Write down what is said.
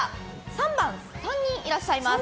３番、３人いらっしゃいます。